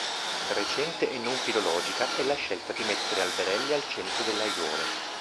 Recente e non filologica è la scelta di mettere alberelli al centro delle aiuole.